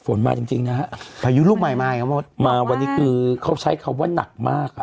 มาจริงจริงนะฮะพายุลูกใหม่มาอย่างมดมาวันนี้คือเขาใช้คำว่าหนักมากอ่ะ